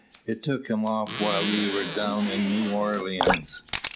It took him off while we were down in New Orleans.